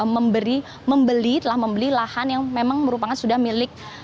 membeli telah membeli lahan yang memang merupakan sudah milik